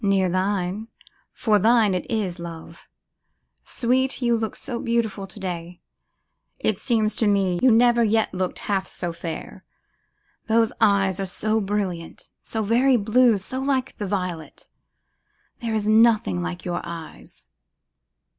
'Near thine; for thine it is, love! Sweet, you look so beautiful to day! It seems to me you never yet looked half so fair. Those eyes are so brilliant, so very blue, so like the violet! There is nothing like your eyes!